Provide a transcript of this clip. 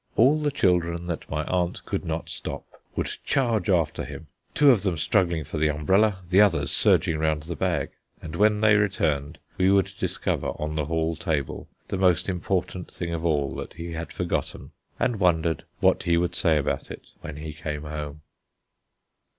All the children that my aunt could not stop would charge after him, two of them struggling for the umbrella, the others surging round the bag. And when they returned we would discover on the hall table the most important thing of all that he had forgotten, and wondered what he would say about it when he came home.